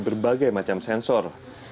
berbagai macam sensor